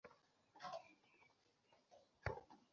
একটু দাঁড়াও, বেবি।